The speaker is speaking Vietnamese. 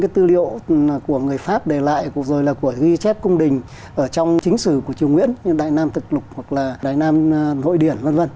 tư liệu của người pháp để lại rồi là của ghi chép cung đình ở trong chính xử của triều nguyễn đại nam thực lục hoặc là đài nam hội điển v v